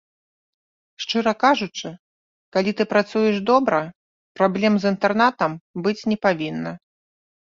Шчыра кажучы, калі ты працуеш добра, праблем з інтэрнатам быць не павінна.